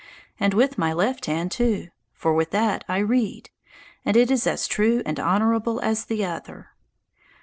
And with my left hand too; for with that I read, and it is as true and honourable as the other.